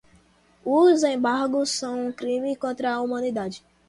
os embargos são um crime contra a humanidade